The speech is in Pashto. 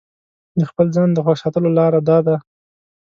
د خپل ځان د خوښ ساتلو لاره داده.